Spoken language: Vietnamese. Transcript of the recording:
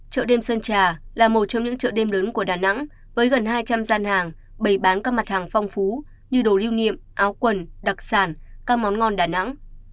chợ đêm sơn trà là một trong những chợ đêm lớn của đà nẵng với gần hai trăm linh gian hàng bày bán các mặt hàng phong phú như đồ lưu niệm áo quần đặc sản các món ngon đà nẵng